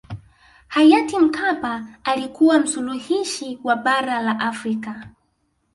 hayati mkapa alikuwa msuluhishi wa bara la afrika